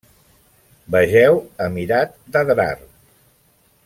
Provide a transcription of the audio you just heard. Vegeu Emirat d'Adrar.